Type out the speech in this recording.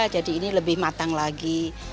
jadi ini lebih matang lagi